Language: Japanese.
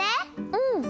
うん！